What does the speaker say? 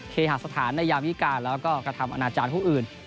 เคหาสถานในยามวิการแล้วก็กระทำอนาจารย์ผู้อื่น